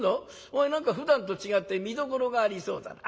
お前何かふだんと違って見どころがありそうだな。